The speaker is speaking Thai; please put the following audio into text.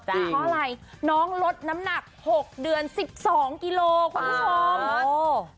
เพราะอะไรน้องลดน้ำหนัก๖เดือน๑๒กิโลคุณผู้ชม